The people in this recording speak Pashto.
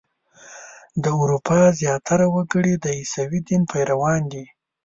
د اروپا زیاتره وګړي د عیسوي دین پیروان دي.